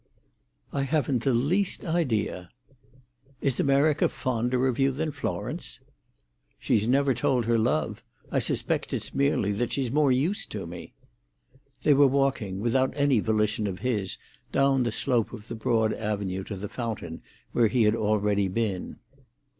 "I haven't the least idea." "Is America fonder of you than Florence?" "She's never told her love. I suspect it's merely that she's more used to me." They were walking, without any volition of his, down the slope of the broad avenue to the fountain, where he had already been.